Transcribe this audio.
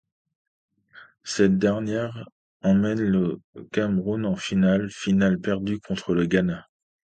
Cette dernière emmène le Cameroun en finale, finale perdue contre le Ghana.